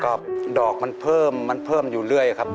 ก็ดอกมันเพิ่มมันเพิ่มอยู่เรื่อยครับ